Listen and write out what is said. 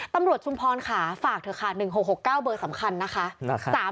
ชุมพรค่ะฝากเถอะค่ะ๑๖๖๙เบอร์สำคัญนะคะ